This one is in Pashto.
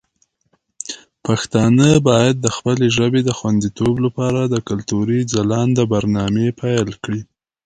پښتانه باید د خپلې ژبې د خوندیتوب لپاره د کلتوري ځلانده برنامې پیل کړي.